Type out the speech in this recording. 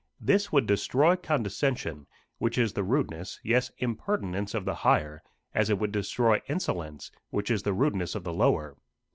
This would destroy condescension, which is the rudeness, yes, impertinence, of the higher, as it would destroy insolence, which is the rudeness of the lower.